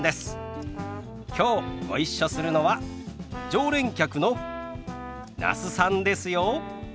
きょうご一緒するのは常連客の那須さんですよ。